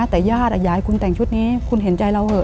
แต่ญาติอยากให้คุณแต่งชุดนี้คุณเห็นใจเราเหอ